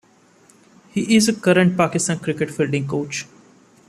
He is the current Pakistan cricket fielding coach.